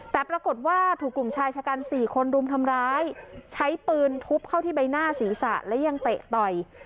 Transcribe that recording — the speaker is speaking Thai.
แต่ปรากฏว่าถูกกลุ่มชายชะกัน๔คนรุมทำร้ายใช้ปืนทุบเข้าที่ใบหน้าศีรษะและยังเตะต่อย